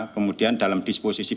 kemudian menerbit pencari arando